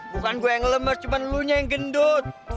bukan gue yang ngelemar cuma lo nya yang gendut